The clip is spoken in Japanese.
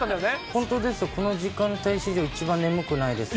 本当です、この時間帯史上、一番眠くないです。